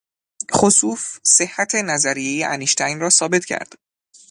خسوف صحت نظریهی انشتین را ثابت کرد.